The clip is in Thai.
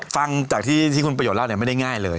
ฟังจากที่คุณประโยชนเล่าไม่ได้ง่ายเลย